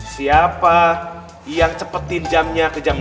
siapa yang cepetin jamnya ke jam empat